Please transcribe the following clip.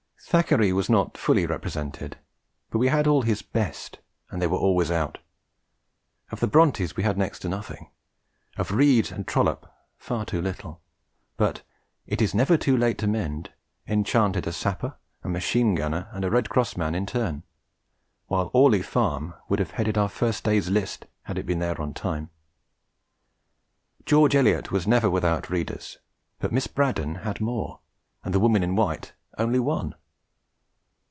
Thackeray was not fully represented, but we had all his best and they were always out. Of the Brontës we had next to nothing, of Reade and Trollope far too little; but It is Never too Late to Mend enchanted a Sapper, a Machine Gunner, and a Red Cross man in turn, while Orley Farm would have headed our first day's list had it been there in time. George Eliot was never without readers, but Miss Braddon had more, and The Woman in White only one!